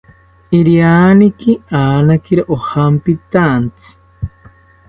Irianeriki rakakiro ojampitaantzi